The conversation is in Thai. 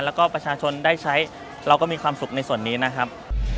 แล้วก็ประชาชนได้ใช้เราก็มีความสุขในส่วนนี้นะครับ